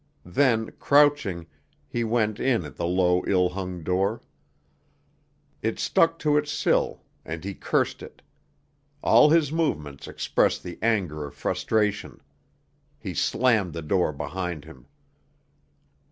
Then, crouching, he went in at the low, ill hung door. It stuck to its sill, and he cursed it; all his movements expressed the anger of frustration. He slammed the door behind him.